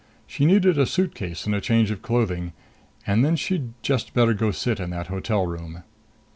She needed a suitcase and a change of clothing. And then she'd just better go sit in that hotel room.